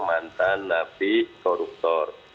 mantan nafis koruptor